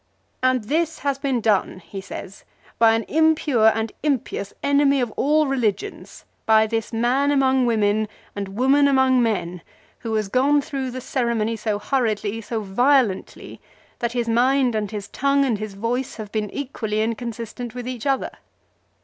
" And this has been done," he says, " by an impure and impious enemy of all religions, by this man among women, and women among men, who has gone through the ceremony so hurriedly, so violently, that his mind and his tongue and his voice have been equally inconsistent with each other."